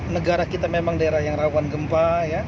negara kita memang daerah yang rawan gempa